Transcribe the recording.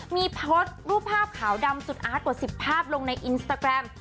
มีโพสต์รูปภาพขาวดำสุดอาตกว่า๑๐ภาพลงในอินสตาแกรม